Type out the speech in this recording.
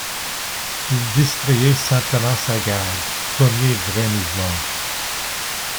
Il distrayait simplement sa garde. Premier vrai mouvement.